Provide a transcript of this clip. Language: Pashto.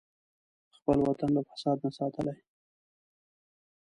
خپل وطن له فساد نه ساتلی.